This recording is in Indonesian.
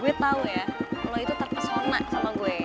gue tahu ya lo itu terpesona sama gue